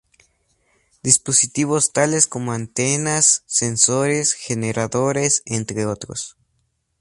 Dispositivos tales como antenas, sensores, generadores, entre otros.